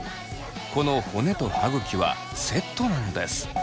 この骨と歯ぐきはセットなんです。